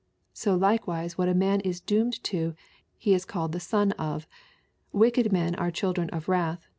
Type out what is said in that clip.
So likewise what a man is doomed to, he is called the son of. Wicked men are children of wrath.